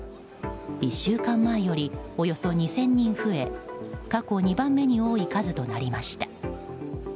１週間前よりおよそ２０００人増え過去２番目に多い数となりました。